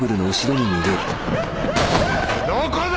どこだ！